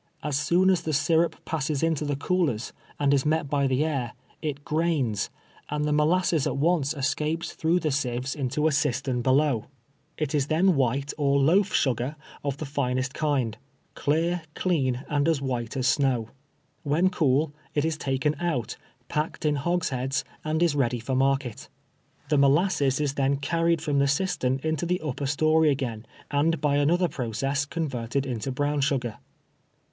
As soon as the syrup passes into the coolers, and is met by the air, it grains, and the mo lasses at once escapes through the sieves into a cistern CimiSTJIAS HOLIDATS. 213 below. It is then white or louf sugar of the finest kind — clear, clean, and as wliitc as snow. "When cool, it is taken ont, ])acked in hogsheads, and is ready for market. The molasses is then carried from the cistern into the upper story again, and by another process converted into brown sugar.